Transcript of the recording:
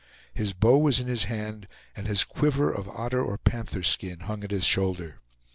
His bow was in his hand, and his quiver of otter or panther skin hung at his shoulder.